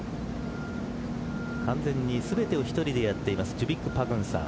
完全に全てを１人でやっているジュビック・パグンサン。